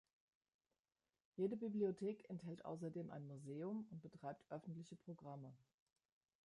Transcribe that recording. Jede Bibliothek enthält außerdem ein Museum und betreibt öffentliche Programme.